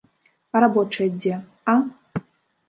А рабочыя дзе, а?